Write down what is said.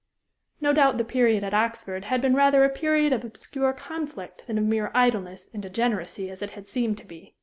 No doubt the period at Oxford had been rather a period of obscure conflict than of mere idleness and degeneracy, as it had seemed to be.